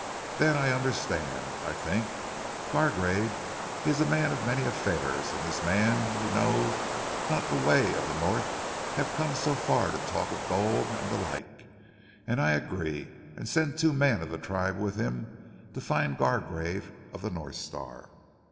Den I understand, I tink, Gargrave he is a man of many affairs, an' this man who know not ze ways of ze North hav' come so far to talk of gold and ze like, and I agree, and send two men of ze tribe with him to find Gargrave of North Star.